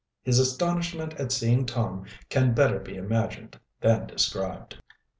His astonishment at seeing Tom can better be imagined than described. CHAPTER XXI.